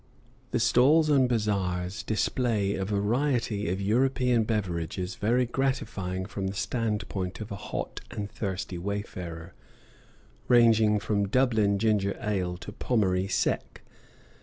The stalls and bazaars display a variety of European beverages very gratifying from the stand point of a hot and thirsty wayfarer, ranging from Dublin ginger ale to Pommery Sec.